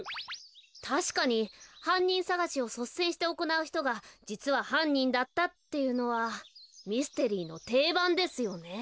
たしかにはんにんさがしをそっせんしておこなうひとがじつははんにんだったっていうのはミステリーのていばんですよね。